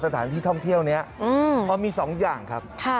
สถานที่ท่องเที่ยวนี้มี๒อย่างครับ